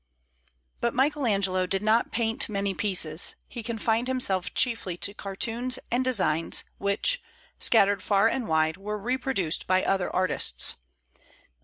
But Michael Angelo did not paint many pieces; he confined himself chiefly to cartoons and designs, which, scattered far and wide, were reproduced by other artists.